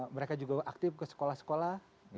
mereka juga aktif ke sekolah sekolah